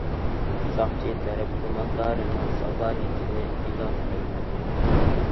ساقچى تەرەپ گۇماندارىنىڭ سالاھىيىتىنى ئېلان قىلمىدى.